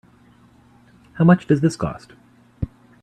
How much does this cost?